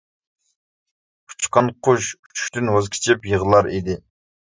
ئۇچقان قۇش ئۇچۇشتىن ۋاز كېچىپ يىغلار ئىدى.